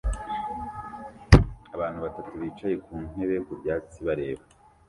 Abantu batatu bicaye ku ntebe ku byatsi bareba